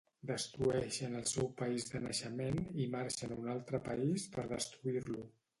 Destrueixen el seu país de naixement i marxen a un altre país per destruir-lo